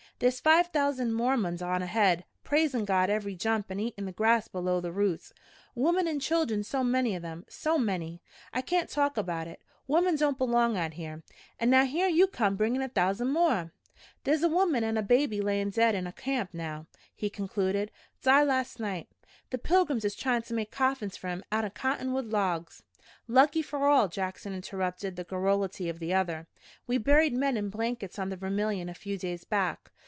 There's five thousand Mormons on ahead, praisin' God every jump an' eatin' the grass below the roots. Womern an' children so many of 'em, so many! I kain't talk about hit! Women don't belong out here! An' now here you come bringin' a thousand more! "There's a woman an' a baby layin' dead in our camp now," he concluded. "Died last night. The pilgrims is tryin' to make coffins fer 'em out'n cottonwood logs." "Lucky for all!" Jackson interrupted the garrulity of the other. "We buried men in blankets on the Vermilion a few days back.